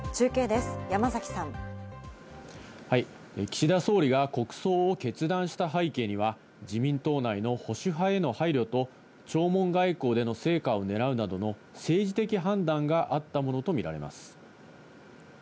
岸田総理が国葬を決断した背景には、自民党内の保守派への配慮と弔問外交での成果をねらうなどの政治的判断があったものとみられます。